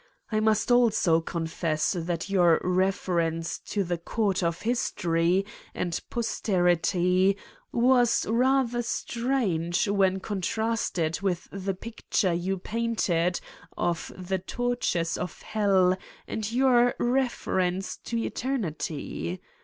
I must also confess that your reference to the court of history and posterity was rather strange when contrasted with the picture you painted of the tortures of hell and your reference to eternity.